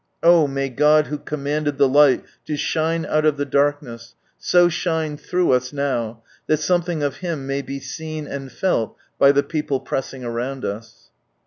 Oh may God who commanded the light to shine out of darkness, so shine through us now, that something of Him may be seen and felt by the people pressing around us